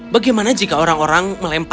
bagaimana jika orang orang mengikat diriku ke kapal